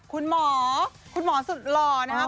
คุณหมอคุณหมอสุดหล่อนะครับ